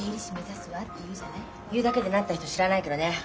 言うだけでなった人知らないけどね。